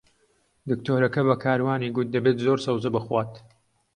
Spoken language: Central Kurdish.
دکتۆرەکە بە کاروانی گوت دەبێت زۆر سەوزە بخوات.